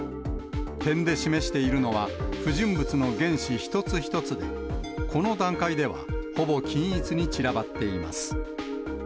点で示しているのは、不純物の原子一つ一つで、この段階では、ほぼ均一に散らばっています。